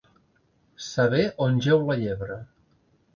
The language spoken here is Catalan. Saber on jeu la llebre.